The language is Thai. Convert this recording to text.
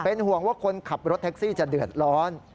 ห่วงว่าคนขับรถแท็กซี่จะเดือดร้อน